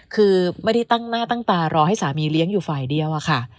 คือไม่ได้ตั้งหน้าตั้งตารอให้สามีเลี้ยงอยู่ฝ่ายเดียวอะค่ะ